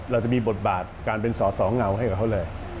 เราจะมีบทบาทการเป็นสอสอเงาให้กับเขาเลย